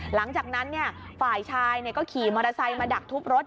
หลังจากนั้นฝ่ายชายก็ขี่มอเตอร์ไซค์มาดักทุบรถ